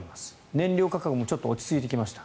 燃料価格もちょっと落ち着いてきました。